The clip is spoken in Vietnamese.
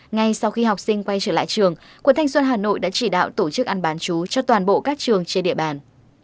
ngay sau khi học sinh quay trở lại trường quận thanh xuân hà nội đã chỉ đạo tổ chức ăn bán chú cho toàn bộ các trường trên địa bàn